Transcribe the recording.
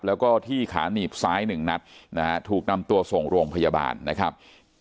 แล้วก็ที่ขาหนีบซ้ายหนึ่งนัดนะฮะถูกนำตัวส่งโรงพยาบาลนะครับ